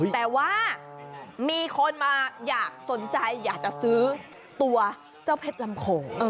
แต่ว่ามีคนมาอยากสนใจอยากจะซื้อตัวเจ้าเพชรลำโขง